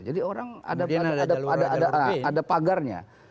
jadi orang ada pagarnya